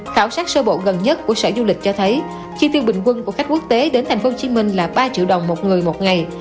khảo sát sơ bộ gần nhất của sở du lịch cho thấy chi tiêu bình quân của khách quốc tế đến thành phố hồ chí minh là ba triệu đồng một người một ngày